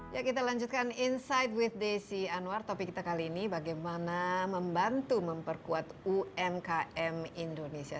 ya kita lanjutkan insight with desi anwar topik kita kali ini bagaimana membantu memperkuat umkm indonesia